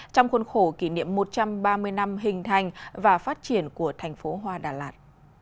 trong khuôn khổ kỷ niệm một trăm ba mươi năm hình thành và phát triển của thành phố hoa đà lạt